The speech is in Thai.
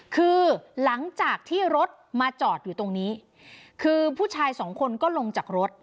คือหลังจากที่รถมาจอดอยู่ตรงนี้คือผู้ชายสองคนก็ลงจากรถ